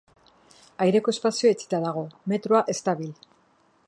Aireko espazioa itxita dago, metroa ez dabil.